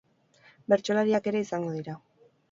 Bertsolariak ere izango dira.